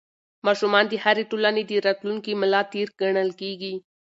ماشومان د هرې ټولنې د راتلونکي ملا تېر ګڼل کېږي.